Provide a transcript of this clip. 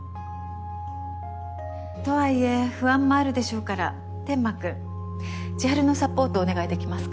とはいえ不安もあるでしょうから天間君千晴のサポートお願いできますか？